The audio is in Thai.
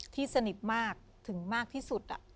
ที่สนิทมากถึงมากที่สุด